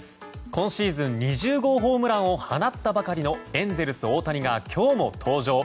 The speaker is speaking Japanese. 今シーズン、２０号ホームランを放ったばかりのエンゼルス大谷が今日も登場。